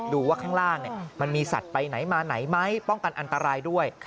ดูว่าข้างล่างมันมีสัตว์ไปไหนมาไหนไหมป้องกันอันตรายด้วย